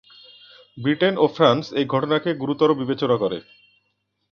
Britain ও France এই ঘটনাকে গুরুতর বিবেচনা করে।